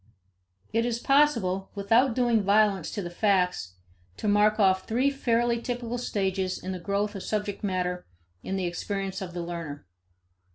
It is possible, without doing violence to the facts, to mark off three fairly typical stages in the growth of subject matter in the experience of the learner.